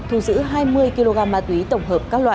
thu giữ hai mươi kg ma túy tổng hợp các loại